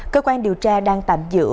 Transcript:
cơ quan điều tra đang tạm giữ